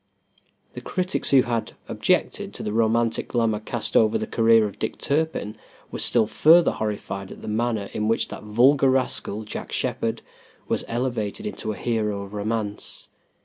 The critics who had objected to the romantic glamor cast over the career of Dick Turpin were still further horrified at the manner in which that vulgar rascal, Jack Sheppard, was elevated into a hero of romance.